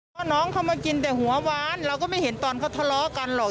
เพราะน้องเขามากินแต่หัววานเราก็ไม่เห็นตอนเขาทะเลาะกันหรอก